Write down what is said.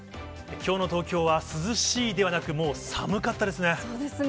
きょうの東京は涼しいではなく、そうですね。